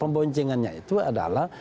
pemboncengannya itu adalah